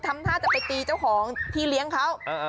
ทำท่าจะไปตีเจ้าของที่เลี้ยงเขา